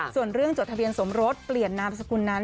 ส่วนเรื่องจดทะเบียนสมรสเปลี่ยนนามสกุลนั้น